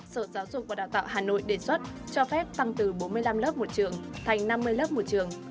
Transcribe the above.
sở giáo dục và đào tạo hà nội đề xuất cho phép tăng từ bốn mươi năm lớp một trường thành năm mươi lớp một trường